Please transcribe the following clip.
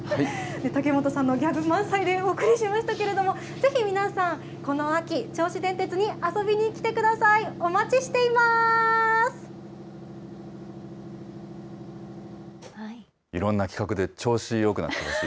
竹本さんのギャグ満載でお送りしましたけれども、ぜひ皆さん、この秋、銚子電鉄に遊びに来てください、お待ちしています。